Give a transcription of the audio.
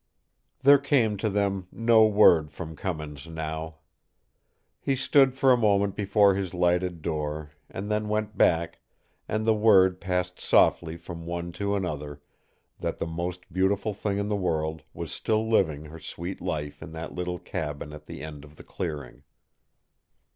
There came to them no word from Cummins now. He stood for a moment before his lighted door, and then went back, and the word passed softly from one to another that the most beautiful thing in the world was still living her sweet life in that little cabin at the end of the clearing.